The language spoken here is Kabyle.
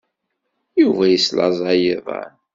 Yuba yeslaẓay iḍan.